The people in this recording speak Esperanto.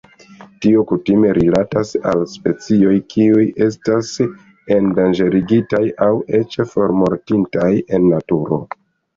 Tio kutime rilatas al specioj kiuj estas endanĝeritaj aŭ eĉ formortintaj en naturo.